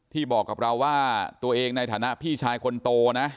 บอกกับเราว่าตัวเองในฐานะพี่ชายคนโตนะ